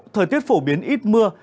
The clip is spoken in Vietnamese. thời tiết phổ biến ít mưa